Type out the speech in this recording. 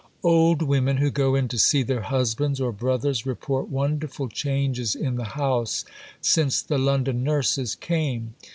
Old women who go in to see their husbands or brothers report wonderful changes in the House since "the London nurses" came.